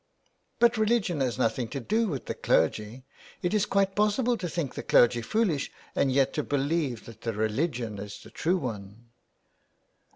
*' But religion has nothing to do with the clergy. It is quite possible to think the clergy foolish and yet to believe that the religion is the true one."